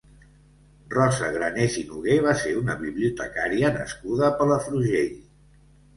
Rosa Granés i Noguer va ser una bibliotecària nascuda a Palafrugell.